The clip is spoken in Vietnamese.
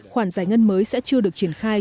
khoản giải ngân mới sẽ chưa được triển khai